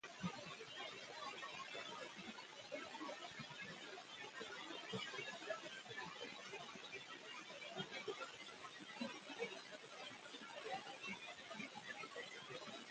وكأن جرذان المحلة كلها